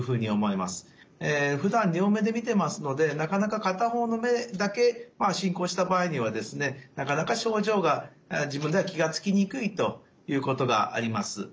えふだん両目で見てますのでなかなか片方の目だけ進行した場合にはですねなかなか症状が自分では気が付きにくいということがあります。